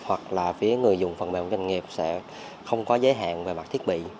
hoặc là phía người dùng phần mềm của doanh nghiệp sẽ không có giới hạn về mặt thiết bị